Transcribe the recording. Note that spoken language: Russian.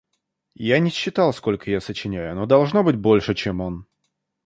Я не считал, сколько я сочиняю, но должно быть, больше, чем он.